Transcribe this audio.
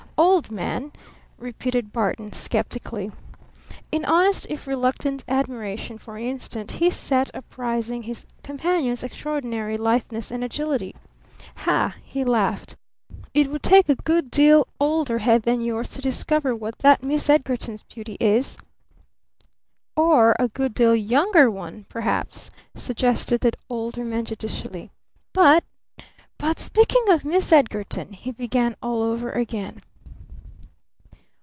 "Old man?" repeated Barton, skeptically. In honest if reluctant admiration for an instant, he sat appraising his companion's extraordinary litheness and agility. "Ha!" he laughed. "It would take a good deal older head than yours to discover what that Miss Edgarton's beauty is!" "Or a good deal younger one, perhaps," suggested the Older Man judicially. "But but speaking of Miss Edgarton " he began all over again.